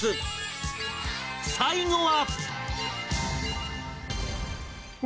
最後は